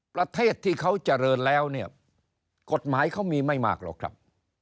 ประเทศที่เขาเจริญแล้วเนี่ยกฎหมายเขามีไม่มากหรอกครับ